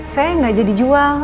saya gak jadi jual